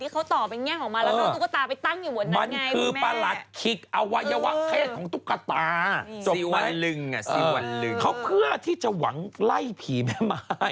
เค้าเพลือว่าเจ๋าหวั้นไล่ผีแม่มาย